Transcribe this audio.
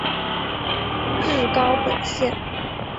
日高本线。